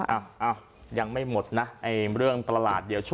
อ้าวยังไม่หมดนะไอ้เรื่องตลาดเดี๋ยวช่วง